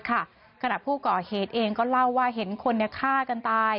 ขณะผู้ก่อเหตุเองก็เล่าว่าเห็นคนฆ่ากันตาย